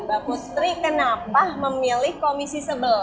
mbak putri kenapa memilih komisi sebelas